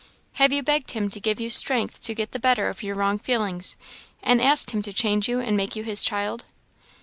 have you begged him to give you strength to get the better of your wrong feelings, and asked him to change you, and make you his child?"